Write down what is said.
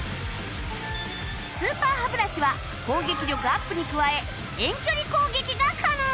スーパー歯ブラシは攻撃力アップに加え遠距離攻撃が可能